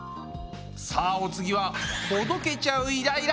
さあお次はほどけちゃうイライラ！